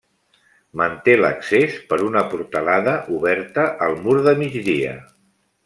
Manté l'accés per una portalada oberta al mur de migdia.